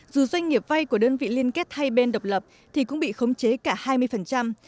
dù doanh nghiệp vay của đơn vị liên kết hai bên độc lập thì cũng bị khống chế cả hai mươi